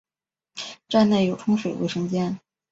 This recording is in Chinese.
站内有冲水卫生间。